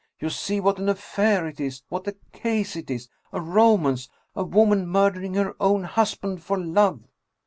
You see what an affair it is. What a case it is. A ro mance! A woman murdering her own husband for love!